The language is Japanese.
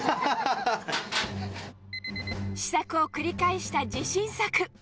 試作を繰り返した自信作。